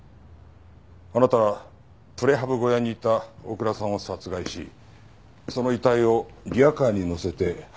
あなたはプレハブ小屋にいた大倉さんを殺害しその遺体をリヤカーに乗せて運んだんじゃありませんか？